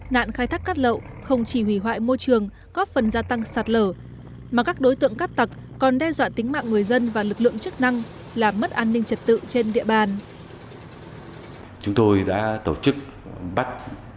nạn khai thác cát lậu không chỉ hủy hoại môi trường góp phần gia tăng sạt lở mà các đối tượng cát tặc còn đe dọa tính mạng người dân và lực lượng chức năng làm mất an ninh trật tự trên địa bàn